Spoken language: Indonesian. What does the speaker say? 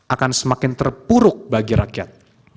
akan semakin terpuruk bagi rakyat